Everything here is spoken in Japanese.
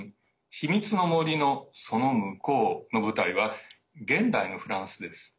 「秘密の森の、その向こう」の舞台は現代のフランスです。